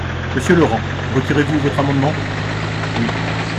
Monsieur Laurent, retirez-vous votre amendement ? Oui.